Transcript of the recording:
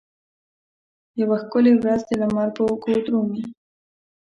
یوه ښکلې ورځ د لمر په اوږو درومې